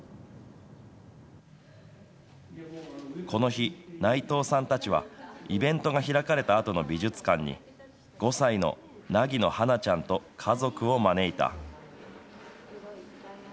この日、内藤さんたちはイベントが開かれたあとの美術館に、５歳の奈木野羽華ちゃんと家族を招いた。